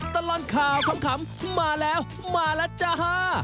ตลอดข่าวขำมาแล้วมาแล้วจ้า